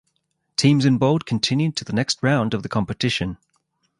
Teams in bold continued to the next round of the competition.